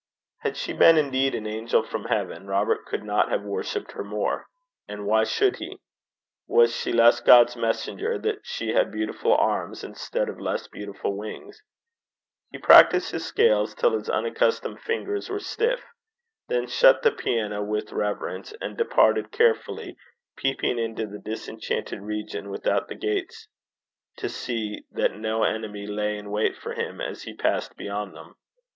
Had she been indeed an angel from heaven, Robert could not have worshipped her more. And why should he? Was she less God's messenger that she had beautiful arms instead of less beautiful wings? He practised his scales till his unaccustomed fingers were stiff, then shut the piano with reverence, and departed, carefully peeping into the disenchanted region without the gates to see that no enemy lay in wait for him as he passed beyond them.